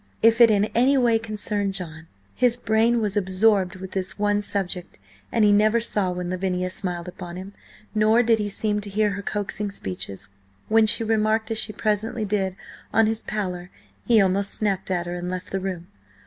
If it in any way concerned John. His brain was absorbed with this one subject, and he never saw when Lavinia smiled upon him, nor did he seem to hear her coaxing speeches. When she remarked, as she presently did, on his pallor, he almost snapped at her, and left the room.